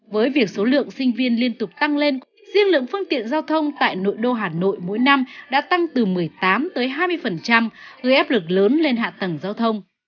với việc số lượng sinh viên liên tục tăng lên riêng lượng phương tiện giao thông tại nội đô hà nội mỗi năm đã tăng từ một mươi tám hai mươi gây áp lực lớn lên hạ tầng giao thông